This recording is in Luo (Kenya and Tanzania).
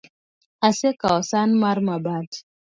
Asekawo san mar mabati